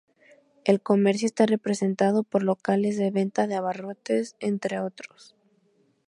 El comercio está representado por locales de venta de abarrotes, entre otros.